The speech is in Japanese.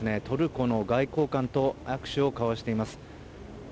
トルコの外交官と握手を交わしています。